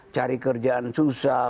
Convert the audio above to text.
cari kerjaan susah